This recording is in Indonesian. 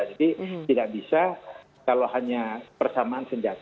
jadi tidak bisa kalau hanya persamaan